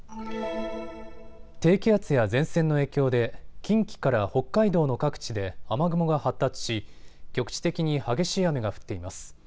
低気圧や前線の影響で近畿から北海道の各地で雨雲が発達し局地的に激しい雨が降っています。